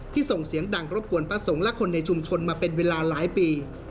ส่งเสียงดังรบกวนพระสงฆ์และคนในชุมชนมาเป็นเวลาหลายปี